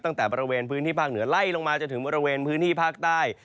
ตั้งแต่บริเวณพื้นที่ภาคเหนือไล่ลงมาจนถึงบริเวณพื้นที่ภาคใต้